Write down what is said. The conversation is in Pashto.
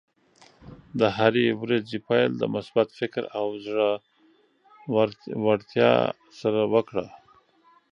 د هرې ورځې پیل د مثبت فکر او زړۀ ورتیا سره وکړه.